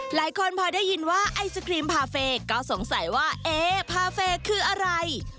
หลายคนพอได้ยินว่าไอศครีมพาเฟย์ก็สงสัยว่าเอ๊พาเฟย์คืออะไร